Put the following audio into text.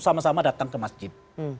sama sama datang ke masjid